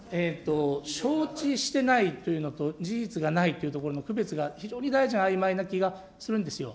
承知してないというのと事実がないというところの区別が非常に大臣、あいまいな気がするんですよ。